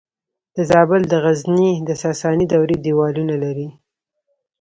د زابل د غزنیې د ساساني دورې دیوالونه لري